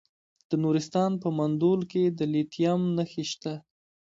د نورستان په مندول کې د لیتیم نښې شته.